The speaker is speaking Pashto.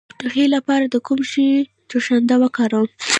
د ټوخي لپاره د کوم شي جوشانده وکاروم؟